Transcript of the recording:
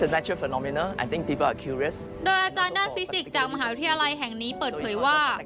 โดยอาจารย์ด้านฟิสิกส์จากมหาวิทยาลัยแห่งนี้เปิดเผยว่า